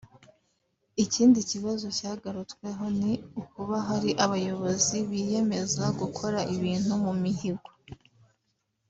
Ikindi kibazo cyagarutsweho ni ukuba hari abayobozi biyemeza gukora ibintu mu mihigo